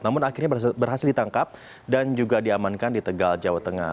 namun akhirnya berhasil ditangkap dan juga diamankan di tegal jawa tengah